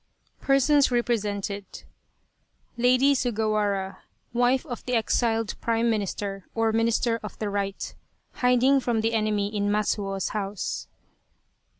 179 PERSONS REPRESENTED LADY SUGAWARA, wife of the exiled Prime Minister or " Minis ter of the Right " hiding from the enemy in Matsuo's house.